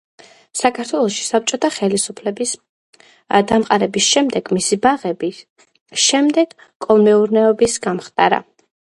საქართველოში საბჭოთა ხელისუფლების დამყარების შემდეგ, მისი ბაღები შემდეგ კოლმეურნეობის გამხდარა.